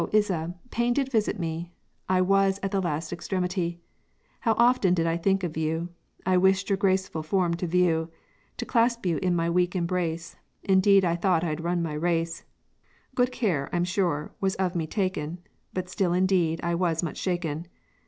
Isa, pain did visit me, I was at the last extremity; How often did I think of you, I wished your graceful form to view, To clasp you in my weak embrace, Indeed I thought I'd run my race: Good care, I'm sure, was of me taken, But still indeed I was much shaken.